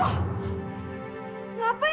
ngapain kamu disini